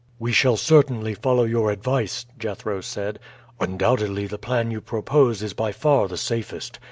Page 252.] "We shall certainly follow your advice," Jethro said. "Undoubtedly the plan you propose is by far the safest.